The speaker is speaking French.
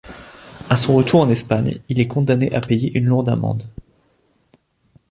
À son retour en Espagne, il est condamné à payer une lourde amende.